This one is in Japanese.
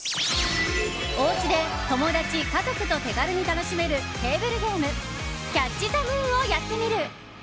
おうちで友達、家族と手軽に楽しめるテーブルゲームキャッチ・ザ・ムーンをやってみる。